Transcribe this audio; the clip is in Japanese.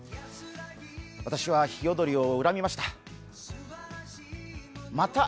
私はひよどりを恨みました。